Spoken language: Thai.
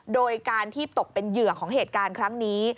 โดยการที่ตกเป็นเหยื่อของเหตุการณ์ครั้งนี้